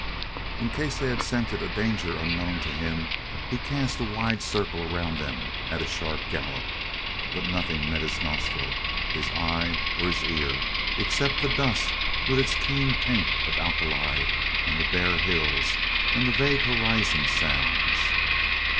In case they had scented a danger unknown to him, he cast a wide circle around them at a sharp gallop, but nothing met his nostril, his eye, or his ear except the dust with its keen taint of alkali, and the bare hills, and the vague horizon sounds.